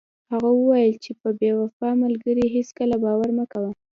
هغه وویل چې په بې وفا ملګري هیڅکله باور مه کوه.